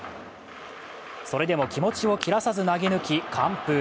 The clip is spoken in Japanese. それでも気持ちを切らさず投げ抜き完封。